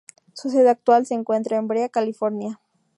Su sede actual se encuentra en Brea, California.